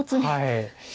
はい。